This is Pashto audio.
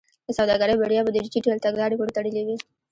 د سوداګرۍ بریا به د ډیجیټل تګلارې پورې تړلې وي.